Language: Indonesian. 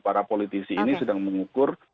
para politisi ini sedang mengukur